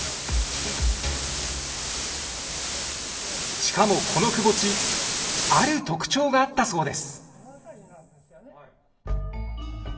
しかもこのくぼ地ある特徴があったそうです。